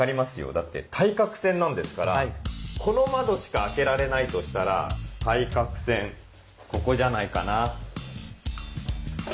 だって対角線なんですからこの窓しか開けられないとしたら対角線ここじゃないかな。